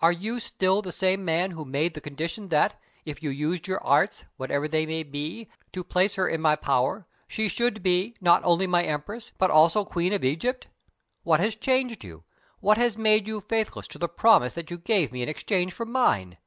Are you still the same man who made the condition that, if you used your arts, whatever they may be, to place her in my power, she should be, not only my Empress, but also Queen of Egypt? What has changed you? What has made you faithless to the promise that you gave me in exchange for mine?